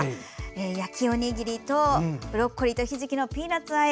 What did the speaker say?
焼きおにぎりと「ブロッコリーとひじきのピーナツあえ」。